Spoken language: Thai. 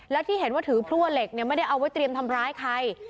และที่เห็นว่าถือพลั่วเหล็กเนี่ยไม่ได้เอาไว้เตรียมทำร้ายใคร